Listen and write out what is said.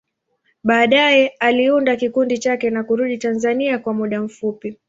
Baadaye, aliunda kikundi chake na kurudi Tanzania kwa muda mfupi.